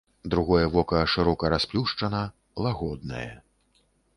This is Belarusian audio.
Другое вока шырока расплюшчана, лагоднае.